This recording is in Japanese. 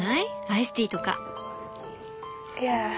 アイスティーとか。